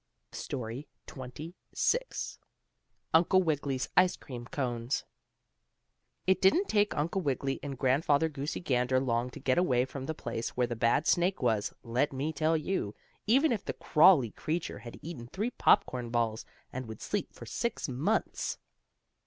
STORY XXVI UNCLE WIGGILY'S ICE CREAM CONES It didn't take Uncle Wiggily and Grandfather Goosey Gander long to get away from the place where the bad snake was, let me tell you, even if the crawly creature had eaten three popcorn balls, and would sleep for six months.